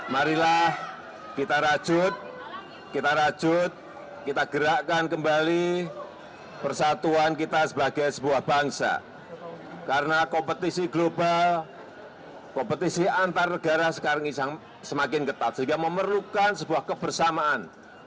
marilah kita rajut kita rajut kita gerakkan